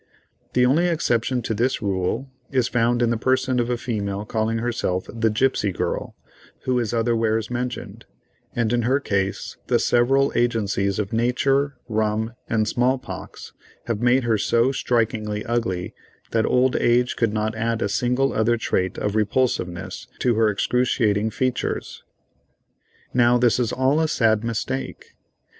The only exception to this rule is found in the person of a female calling herself "The Gipsy Girl," who is otherwheres mentioned, and in her case the several agencies of nature, rum, and small pox have made her so strikingly ugly that old age could not add a single other trait of repulsiveness to her excruciating features. Now this is all a sad mistake.